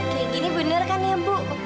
kayak gini bener kan ya bu